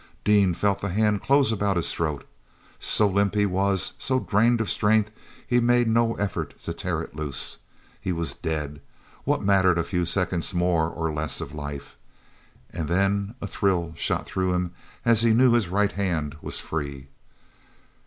Dean felt the hand close about his throat. So limp he was, so drained of strength, he made no effort to tear it loose. He was dead—what mattered a few seconds more or less of life? And then a thrill shot through him as he knew his right hand was free.